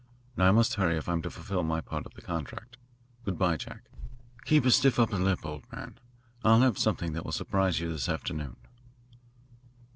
Now, I must hurry if I am to fulfil my part of the contract. Good bye, Jack. Keep a stiff upper lip, old man. I'll have something that will surprise you this afternoon."